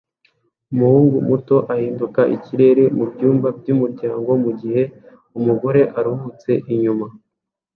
Umuhungu muto ahinduka ikirere mubyumba byumuryango mugihe umugore aruhutse inyuma